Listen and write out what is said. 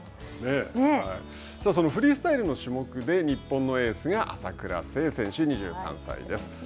そのフリースタイルの種目で日本のエースが朝倉聖選手、２３歳です。